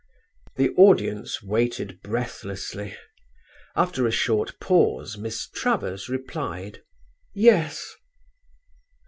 The audience waited breathlessly; after a short pause Miss Travers replied: "Yes."